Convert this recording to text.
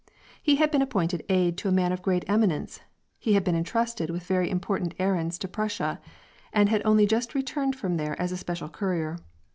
He had be^n appointed aid to a man of great eminence ; he had been entrusted with a very importtint errand to I'russia, and had only just returned from there as a special courier.